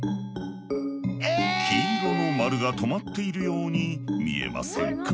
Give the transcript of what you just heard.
黄色の丸が止まっているように見えませんか？